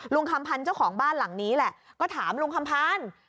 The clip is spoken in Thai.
คำพันธ์เจ้าของบ้านหลังนี้แหละก็ถามลุงคำพาน